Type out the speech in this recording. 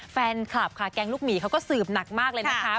แฟนคลับค่ะแก๊งลูกหมีเขาก็สืบหนักมากเลยนะคะ